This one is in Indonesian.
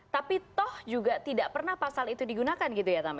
tapi toh juga tidak pernah pasal itu digunakan gitu ya tama